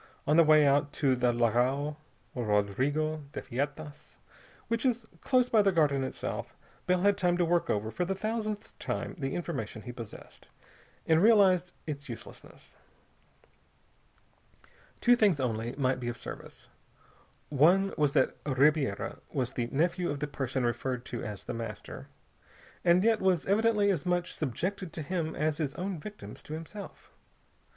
On the way out to the Lagao Rodrigo de Feitas, which, is close by the Garden itself, Bell had time to work over for the thousandth time the information he possessed, and realize its uselessness. Two things, only, might be of service. One was that Ribiera was the nephew of the person referred to as The Master, and yet was evidently as much subjected to him as his own victims to himself.